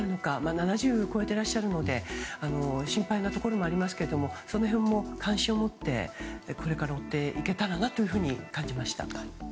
７０を超えてらっしゃるので心配なところもありますけどその辺も関心を持ってこれから追っていけたらなと感じました。